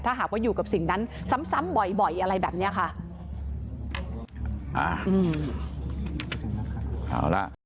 ถ้าหากว่าอยู่กับสิ่งนั้นซ้ำบ่อยอะไรแบบนี้ค่ะ